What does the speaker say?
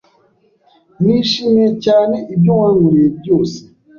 Nishimiye cyane ibyo wankoreye byose.